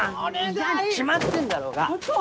嫌に決まってんだろうが！